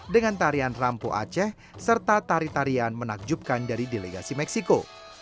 dengan tarian rampo aceh serta tari tarian menakjubkan dari delegasi meksiko